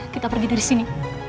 kita pergi dari sini